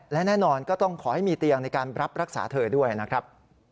และแน่นอนก็ต้องขอให้มีเตียงในการรับรักษาเธอด้วยนะครับ